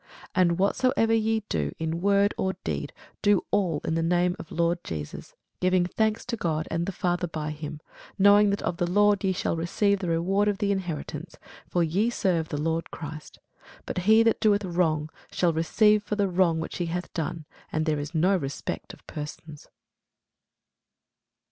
And whatsoever ye do in word or deed, do all in the name of the Lord Jesus, giving thanks to God and the Father by him; knowing that of the Lord ye shall receive the reward of the inheritance: for ye serve the Lord Christ. But he that doeth wrong shall receive for the wrong which he hath done: and there is no respect of persons.